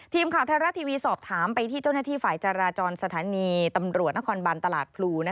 ทีมข่าวไทยรัฐทีวีสอบถามไปที่เจ้าหน้าที่ฝ่ายจราจรสถานีตำรวจนครบันตลาดพลู